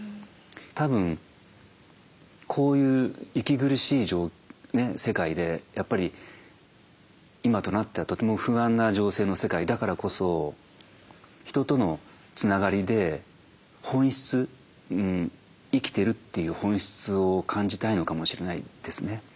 たぶんこういう息苦しい世界でやっぱり今となってはとても不安な情勢の世界だからこそ人とのつながりで本質生きてるっていう本質を感じたいのかもしれないですね。